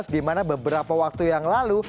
dimana beberapa waktu yang lalu